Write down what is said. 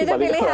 itu pilihan ya